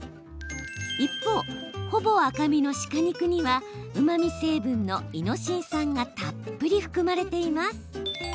一方、ほぼ赤身の鹿肉にはうまみ成分のイノシン酸がたっぷり含まれています。